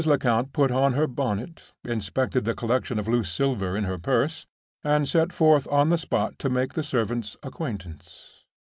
Lecount put on her bonnet, inspected the collection of loose silver in her purse, and set forth on the spot to make the servant's acquaintance.